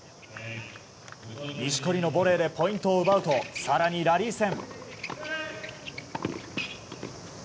錦織のボレーでポイントを奪うと更にラリー戦。